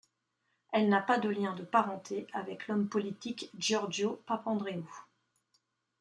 Elle n'a pas de lien de parenté avec l'homme politique Giórgos Papandréou.